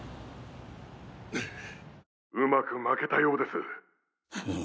うまくまけたようです。